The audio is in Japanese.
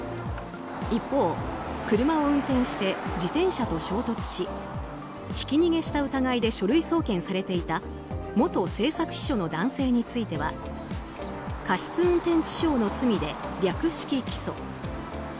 一方、車を運転して自転車と衝突しひき逃げした疑いで書類送検されていた元政策秘書の男性については過失運転致傷の罪で略式起訴。